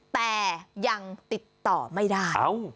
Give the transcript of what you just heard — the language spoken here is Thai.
แต่ยังติดต่อไม่ได้